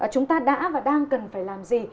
chúng ta đã và đang cần phải làm gì